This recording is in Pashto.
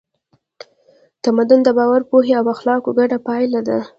تمدن د باور، پوهې او اخلاقو ګډه پایله ده.